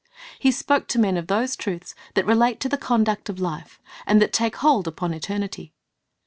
He spoke to men of those truths that relate to the conduct of life, and that take hold upon eternity.